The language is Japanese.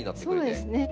そうですね。